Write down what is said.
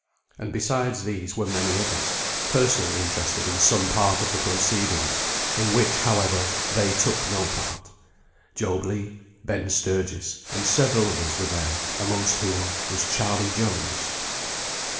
And besides these were many others, personally interested in some part of the proceedings, in which, however, they took no part; Job Legh, Ben Sturgis, and several others were there, amongst whom was Charley Jones.